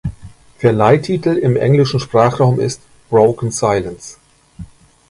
Verleihtitel im englischen Sprachraum ist "Broken Silence".